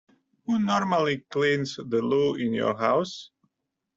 Who normally cleans the loo in your house?